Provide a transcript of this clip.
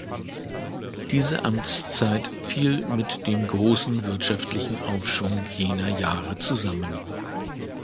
Diese Amtszeit fiel mit dem großen wirtschaftlichen Aufschwung jener Jahre zusammen.